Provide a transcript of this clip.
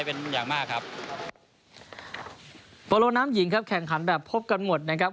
โบราณน้ำหญิงครับแขนขันแบบพบกันหมดนะครับ